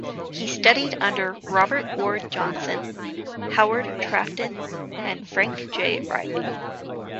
He studied under Robert Ward Johnson, Howard Trafton, and Frank J. Reilly.